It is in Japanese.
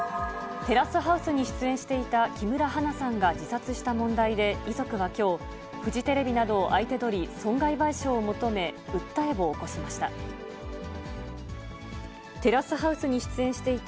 テラスハウスに出演していた木村花さんが自殺した問題で、遺族はきょう、フジテレビなどを相手取り、損害賠償を求め、訴えを起こしました。